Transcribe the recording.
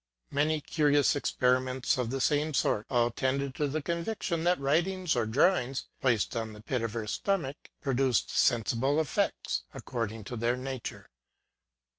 Many curious experiments, of the same sort, all tended to the conviction, that writings or drawings, placed on the pit of her sto mach, produced sensible effects, according to their nature.